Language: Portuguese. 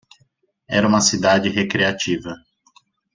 Era uma cidade recreativa.